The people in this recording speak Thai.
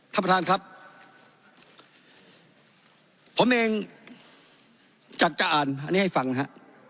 ท่านประธานครับผมเองอยากจะอ่านอันนี้ให้ฟังนะฮะ